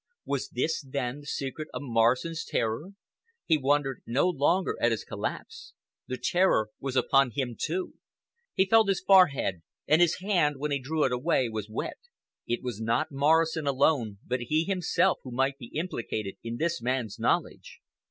Was this, then, the secret of Morrison's terror? He wondered no longer at his collapse. The terror was upon him, too. He felt his forehead, and his hand, when he drew it away, was wet. It was not Morrison alone but he himself who might be implicated in this man's knowledge.